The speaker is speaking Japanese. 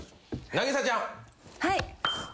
はい。